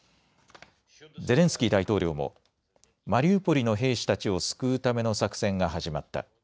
ゼレンスキー大統領もマリウポリの兵士たちを救うための作戦が始まった。